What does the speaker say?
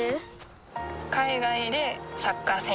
海外でサッカー選手になる